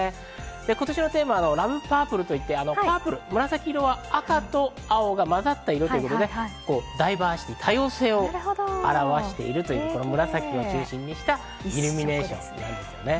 今年のテーマはラブパープルといって紫色が、赤と青が混ざった色ということで、ダイバーシティ、多様性を表しているという紫を中心にしたイルミネーションです。